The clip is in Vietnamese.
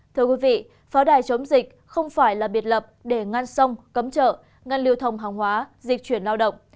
thưa quý vị pháo đài chống dịch không phải là biệt lập để ngăn sông cấm chợ ngăn liều thông hàng hóa dịch chuyển lao động